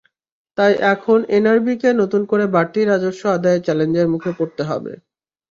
তাই এখন এনবিআরকে নতুন করে বাড়তি রাজস্ব আদায়ে চ্যালেঞ্জের মুখে পড়তে হবে।